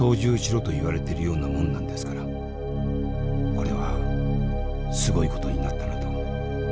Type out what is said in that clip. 「これはすごいことになったなと。